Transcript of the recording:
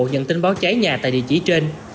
nhận tin báo cháy nhà tại địa chỉ trên